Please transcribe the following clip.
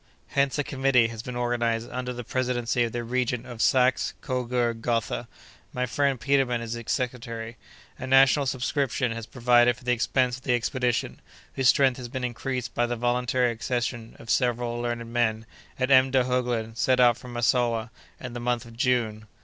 Hence, a committee has been organized under the presidency of the Regent of Saxe Cogurg Gotha; my friend Petermann is its secretary; a national subscription has provided for the expense of the expedition, whose strength has been increased by the voluntary accession of several learned men, and M. de Heuglin set out from Massowah, in the month of June.